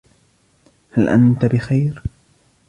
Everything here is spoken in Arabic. هل انت بخير ؟